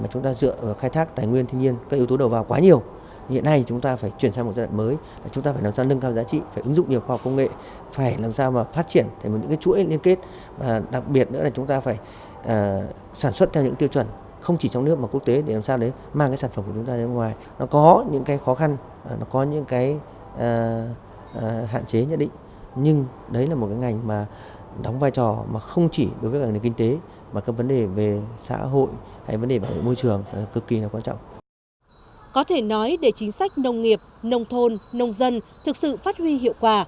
có thể nói để chính sách nông nghiệp nông thôn nông dân thực sự phát huy hiệu quả